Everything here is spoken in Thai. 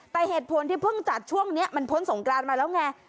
แต่เหตุผลที่เพิ่งจัดช่วงนี้มันพ้นสงกรานมาแล้วไง